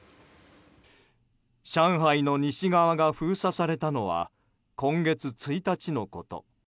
上海の西側が封鎖されたのは今月１日のこと。